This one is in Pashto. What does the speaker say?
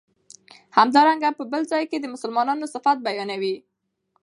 همدارنګه په بل ځای کی د مسلمانو صفت بیانوی